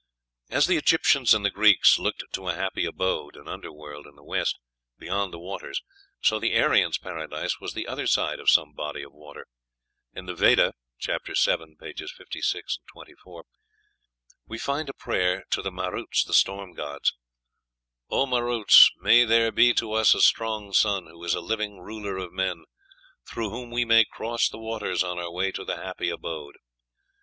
As the Egyptians and the Greeks looked to a happy abode (an under world) in the west, beyond the waters, so the Aryan's paradise was the other side of some body of water. In the Veda (vii. 56, 24) we find a prayer to the Maruts, the storm gods: "O, Maruts, may there be to us a strong son, who is a living ruler of men; through whom we may cross the waters on our way to the happy abode."